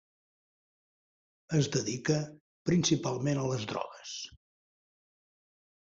Es dedica principalment a les drogues.